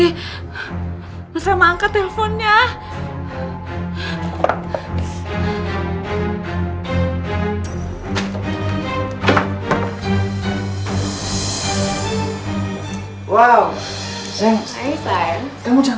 perhiasan aku yang ratusan juta itu kemana ya tuhan